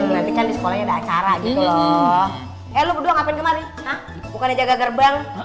di sekolah acara gitu loh eh lu berdua ngapain kemarin bukannya jaga gerbang